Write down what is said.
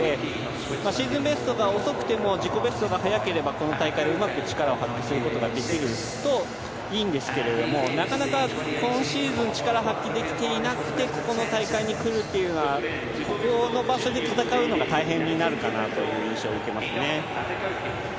シーズンベストが遅くても自己ベストは速ければ、この大会でうまく力を発揮することができるといいんですけれどなかなか今シーズン力を発揮していなくて、この大会に来るっていうのはこの場所で戦うのが大変になるかなという印象を受けます。